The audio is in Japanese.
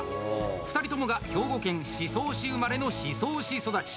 ２人ともが兵庫県宍粟市生まれの宍粟市育ち。